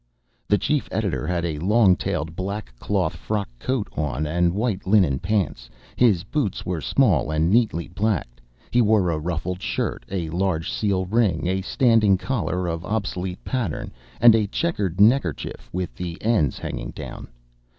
The chief editor had a long tailed black cloth frock coat on, and white linen pants. His boots were small and neatly blacked. He wore a ruffled shirt, a large seal ring, a standing collar of obsolete pattern, and a checkered neckerchief with the ends hanging down.